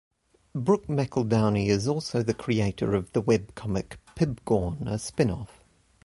Brooke McEldowney is also the creator of the webcomic "Pibgorn", a spin-off.